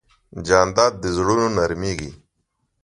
جانداد د زړونو نرمیږي.